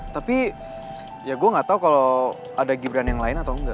tapi ya gue gak tau kalau ada gibran yang lain atau enggak